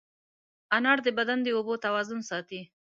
انار د بدن د اوبو توازن ساتي.